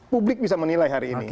publik bisa menilai hari ini